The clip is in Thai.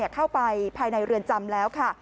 เข้าไปภายในเรือนจำแล้วค่ะ